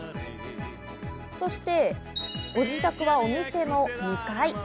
そして、ご自宅はお店の２階。